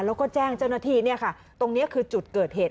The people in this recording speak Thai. แล้วก็แจ้งเจ้าหน้าที่ตรงนี้คือจุดเกิดเหตุ